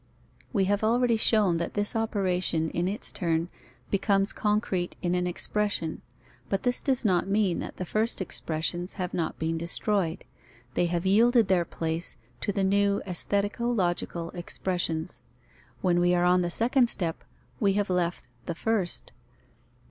We have already shown that this operation in its turn becomes concrete in an expression, but this does not mean that the first expressions have not been destroyed. They have yielded their place to the new aesthetico logical expressions. When we are on the second step, we have left the first.